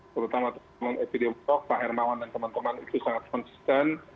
terutama teman teman epidemiolog pak hermawan dan teman teman itu sangat konsisten